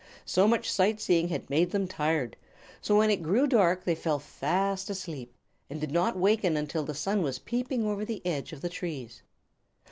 So much sight seeing had made them tired, so when it grew dark they fell fast asleep, and did not waken until the sun was peeping over the edge of the trees.